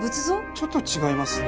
ちょっと違いますね。